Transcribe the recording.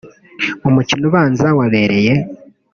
umukino ubanza wabereye